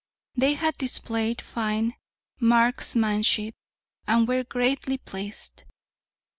They had displayed fine marksmanship and were greatly pleased.